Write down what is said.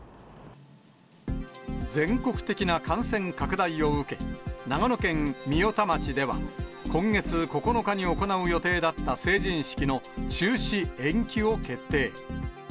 全国的な感染拡大を受け、長野県御代田町では、今月９日に行う予定だった成人式の中止・延期を決定。